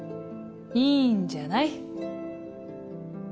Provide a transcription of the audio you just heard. いいんじゃない。